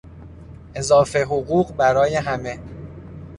اضافه حقوق برای همه